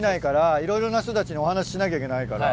いろいろな人たちにお話ししなきゃいけないから。